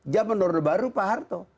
zaman orde baru pak harto